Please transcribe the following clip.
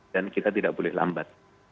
dan kita tidak boleh lambat